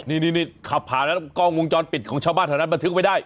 นี่ขับผ่านกล้องวงจรปิดของชาวบ้านเท่านั้นมันถึงไว้ได้